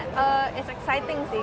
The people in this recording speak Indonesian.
sebenarnya it's exciting sih